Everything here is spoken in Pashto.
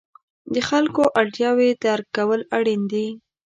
د خلکو اړتیاوې درک کول اړین دي.